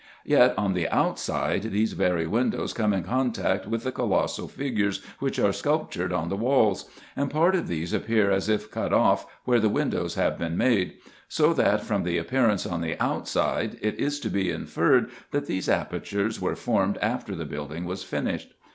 Yet, on the outside, these very windows come in contact with the colossal figures which are sculptured on the walls ; and part of these appear as if cut off where the windows have been made : so that, from the appearance on the outside, it is to be inferred, that these apertures were formed after the building was finished.